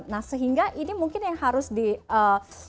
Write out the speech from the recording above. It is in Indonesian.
nah sehingga ini mungkin akan menjadi satu hal yang akan terjadi